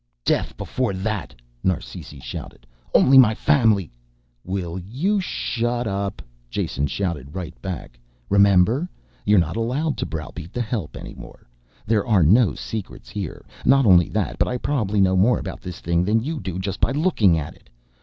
"Death before that," Narsisi shouted. "Only my family " "Will you shut up!" Jason shouted right back. "Remember? You're not allowed to browbeat the help anymore. There are no secrets here. Not only that, but I probably know more about this thing than you do just by looking at it.